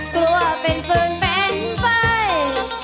กลัวเป็นปืนเป็นไฟ